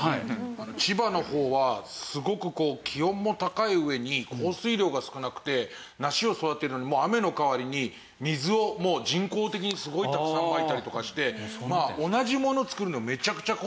千葉の方はすごく気温も高い上に降水量が少なくて梨を育てるのに雨の代わりに水を人工的にすごいたくさん撒いたりとかして同じものを作るのにめちゃくちゃコストがかかってると。